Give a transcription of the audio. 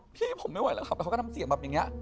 พี่ผมไม่ไหวแล้วค่ะเขาก็ทำเสียงแบบอย่างเนี้ย